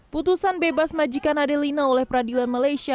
putusan bebas majikan adelina oleh peradilan malaysia